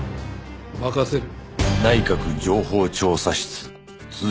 任せる。